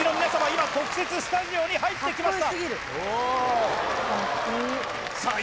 今特設スタジオに入ってきましたさあ